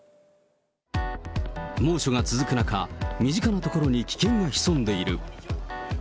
猛暑が続く中、身近な所に危険が潜んでいる。